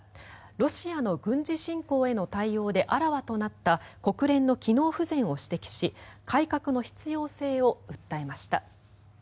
ロシアの軍事侵攻への対応であらわとなった国連の機能不全を指摘し改革の必要性を訴えました。